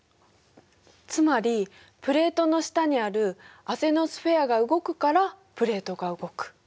つまりプレートの下にあるアセノスフェアが動くからプレートが動く。